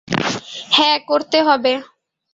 হ্যাঁ, করতে হবে।